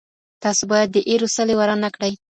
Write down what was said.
تاسو باید د ايرو څلی وران نه کړئ.